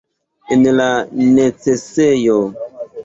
En la necesejo?